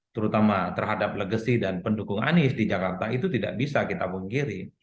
terutama terhadap legesi dan pendukung anis di jakarta itu tidak bisa kita menggiri